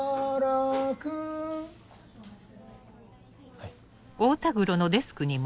はい。